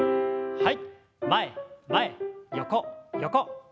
はい。